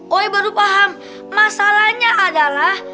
gue baru paham masalahnya adalah